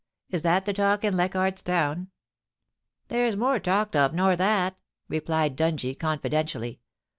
Is that the talk in Leichardt's Town ?'' There's more talked of nor that,' replied Dungie, con fidentially.